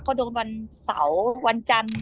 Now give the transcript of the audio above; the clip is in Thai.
เขาโดนวันเสาร์วันจันทร์